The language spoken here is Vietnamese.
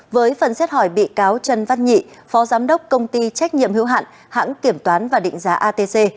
với phần xét hỏi bị cáo trần văn nhị phó giám đốc công ty trách nhiệm hữu hạn hãng kiểm toán và định giá atc